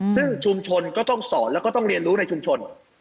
ซึ่งชุมชนก็ต้องสอนแล้วก็ต้องเรียนรู้ในชุมชน